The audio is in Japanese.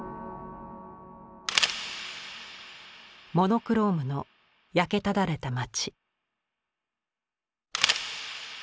モノクロームの焼けただれた町。